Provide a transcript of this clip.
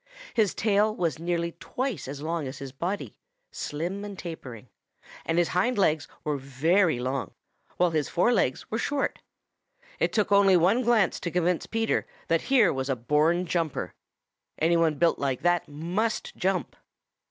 His tail was nearly twice as long as his body, slim and tapering, and his hind legs were very long, while his fore legs were short. It took only one glance to convince Peter that here was a born jumper. Any one built like that must jump.